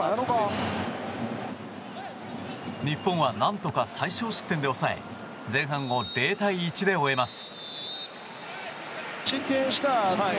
日本は、何とか最少失点で抑え前半を０対１で終えます。